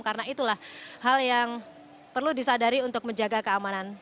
karena itulah hal yang perlu disadari untuk menjaga keamanan